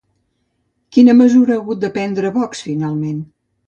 Quina mesura ha hagut de prendre Vox finalment?